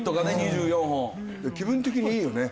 気分的にいいよね